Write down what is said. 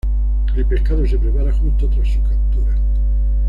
El pescado se prepara justo tras su captura.